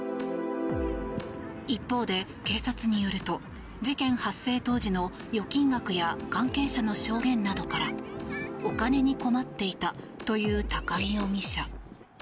一方で警察によると事件発生当時の預金額や関係者の証言などからお金に困っていたという高井容疑者。